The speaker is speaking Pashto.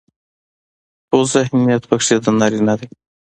خو ذهنيت پکې د نارينه دى